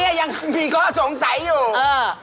นี่ยังมีข้อสงสัยอยู่